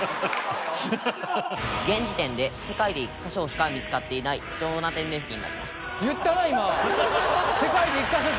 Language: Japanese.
現時点で世界で１カ所しか見付かっていない貴重な天然石になります。